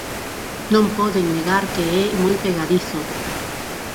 Non poden negar que é moi pegadizo.